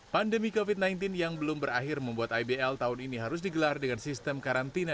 pandemi covid sembilan belas yang belum berakhir membuat ibl tahun ini harus digelar dengan sistem karantina